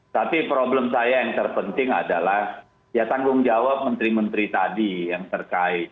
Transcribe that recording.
tapi problem saya yang terpenting adalah ya tanggung jawab menteri menteri tadi yang terkait